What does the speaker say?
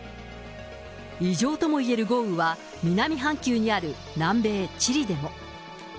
異常ともいえる豪雨は南半球にある南米チリでも。